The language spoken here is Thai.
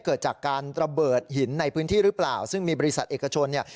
เกิดจากการระเบิดหินในพื้นที่หรือเปล่าซึ่งมีบริษัทเอกชนเนี่ย